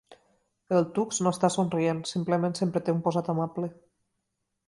El Tux no està somrient, simplement sempre té un posat amable.